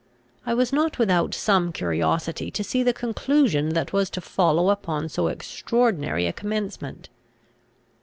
I was not without some curiosity to see the conclusion that was to follow upon so extraordinary a commencement.